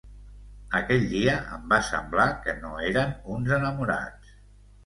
Aquell dia em va semblar que no eren uns enamorats.